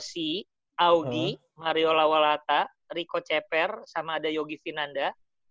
ya pasti yoshi audi mario lawalata rico ceper sama ada yogi finanda